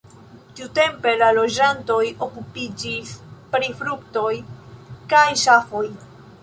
Tiutempe la loĝantoj okupiĝis pri fruktoj kaj ŝafoj.